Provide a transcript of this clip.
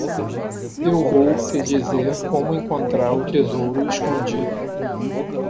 E eu vou te dizer como encontrar o tesouro escondido.